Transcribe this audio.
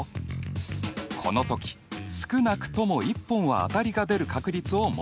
このとき少なくとも１本は当たりが出る確率を求めよう。